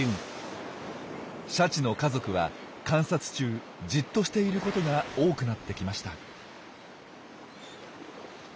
シャチの家族は観察中じっとしていることが多くなってきました。